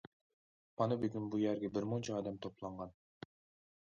مانا بۈگۈن بۇ يەرگە بىر مۇنچە ئادەم توپلانغان.